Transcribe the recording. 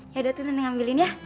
yaudah tuh nenek ambilin ya